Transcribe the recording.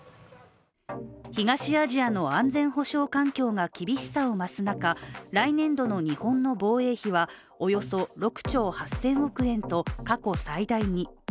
東アジアの安全保障環境が厳しさを増す中来年度の日本の防衛費は、およそ６兆８０００億円と過去最大に。